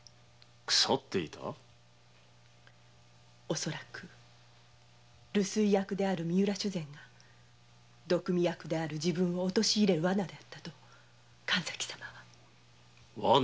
恐らく留守居役である三浦主膳が毒見役である自分を陥れるワナだったとワナ？